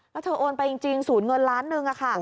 แล้วเธอโอนไปจริงศูนย์เงินล้านหนึ่งค่ะ